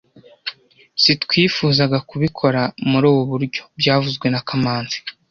Sitwifuzagakubikora muri ubu buryo byavuzwe na kamanzi